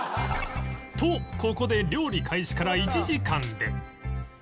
とここで料理開始から１時間で